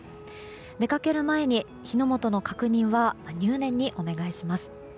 出かける前に火の元の確認は入念にお願いします。